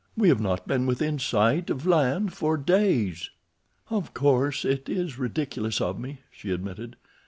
We have not been within sight of land for days." "Of course, it is ridiculous of me," she admitted.